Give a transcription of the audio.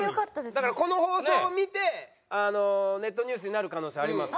だからこの放送を見てネットニュースになる可能性はあります。